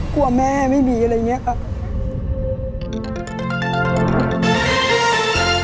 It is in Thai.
กลัวแม่ไม่มีอะไรอย่างนี้ครับ